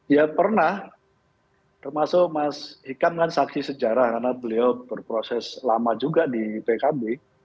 ya pernah termasuk mas hikam kan saksi sejarah karena beliau berproses lama juga di pkb